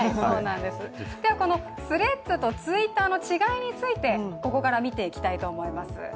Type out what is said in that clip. このＴｈｒｅａｄｓとＴｗｉｔｔｅｒの違いについてここから見ていきたいと思います。